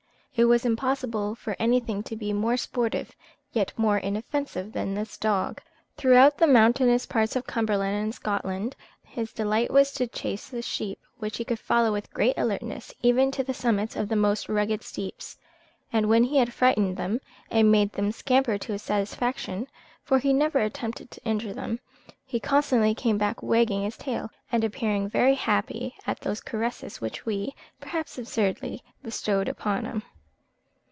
It was impossible for anything to be more sportive, yet more inoffensive, than this dog. Throughout the mountainous parts of Cumberland and Scotland his delight was to chase the sheep, which he would follow with great alertness even to the summits of the most rugged steeps; and when he had frightened them, and made them scamper to his satisfaction (for he never attempted to injure them), he constantly came back wagging his tail, and appearing very happy at those caresses which we, perhaps absurdly, bestowed upon him.